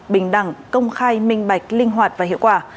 bình đẳng công khai minh bạch linh hoạt và hiệu quả